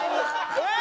えっ！